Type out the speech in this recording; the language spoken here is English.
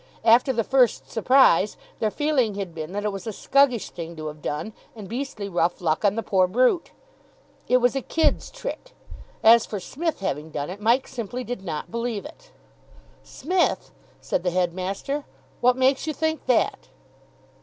After the first surprise, their feeling had been that it was a scuggish thing to have done and beastly rough luck on the poor brute. It was a kid's trick. As for Psmith having done it, Mike simply did not believe it. "Smith!" said the headmaster. "What makes you think that?"